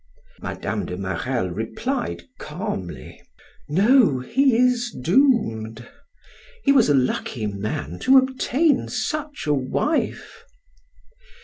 Mme. de Marelle replied calmly: "No, he is doomed! He was a lucky man to obtain such a wife."